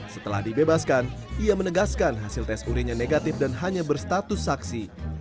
setelah dibebaskan ia menegaskan hasil tes urinnya negatif dan hanya berstatus saksi